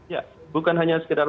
ya bukan hanya sekedar